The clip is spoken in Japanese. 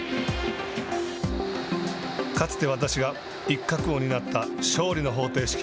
かつて私が一角を担った勝利の方程式